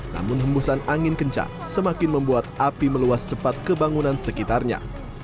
namun hembusan angin kencang semakin membuat api meluas cepat ke bangunan sekitarnya